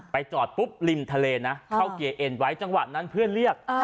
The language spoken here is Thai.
จอดปุ๊บริมทะเลนะเข้าเกียร์เอ็นไว้จังหวะนั้นเพื่อนเรียก